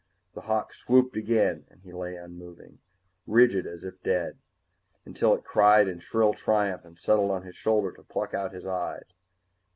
The hawk swooped again and he lay unmoving, rigid as if dead, until it cried in shrill triumph and settled on his shoulder to pluck out his eyes.